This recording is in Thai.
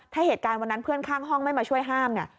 ถ้าเหตุการณ์วันนั้นเพื่อนข้างห้องไม่มาช่วยห้ามเนี่ย